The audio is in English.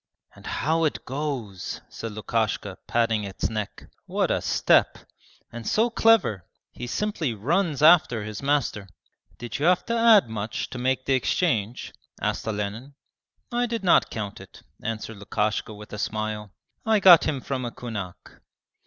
'And how it goes!' said Lukashka, patting its neck. 'What a step! And so clever he simply runs after his master.' 'Did you have to add much to make the exchange?' asked Olenin. 'I did not count it,' answered Lukashka with a smile. 'I got him from a kunak.'